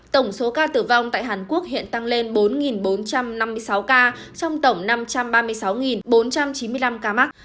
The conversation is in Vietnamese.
tổng số ca tử vong tại hàn quốc hiện tăng lên bốn bốn trăm năm mươi sáu ca trong tổng năm trăm ba mươi sáu bốn trăm chín mươi năm ca mắc